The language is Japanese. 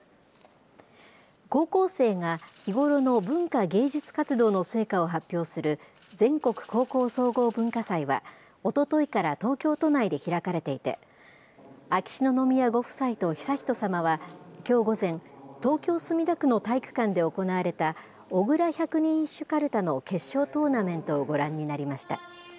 高校生が日頃の文化・芸術活動の成果を発表する全国高校総合文化祭は、おとといから東京都内で開かれていて、秋篠宮ご夫妻と悠仁さまは、きょう午前、東京・墨田区の体育館で行われた小倉百人一首かるたの決勝トーナメントをご覧になりました。